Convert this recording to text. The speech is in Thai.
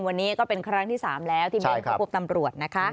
วันนี้ก็เป็นครั้งที่๓แล้วที่เบ้นเข้าพบตำรวจนะคะ